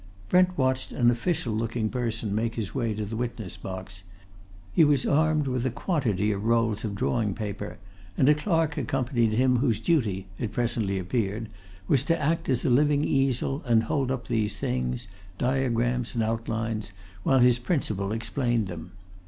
Brent watched an official looking person make his way to the witness box. He was armed with a quantity of rolls of drawing paper, and a clerk accompanied him whose duty, it presently appeared, was to act as a living easel and hold up these things, diagrams and outlines, while his principal explained them.